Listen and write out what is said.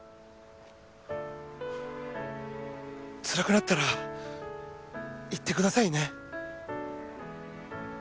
つらくなったら言ってくださいね。